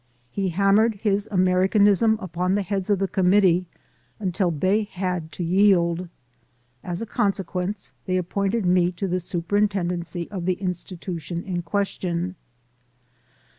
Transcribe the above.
He hammered his American ism upon the heads of the committee until they had to yield. As a consequence, they appointed me to the superintendency of the institution in question.